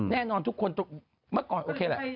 แน่นอนทุกคนเมื่อก่อนโอเคแหละ